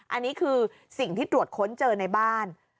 อันนี้คือสิ่งที่ตรวจค้นเจอในบ้าน